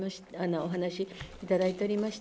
お話頂いておりました。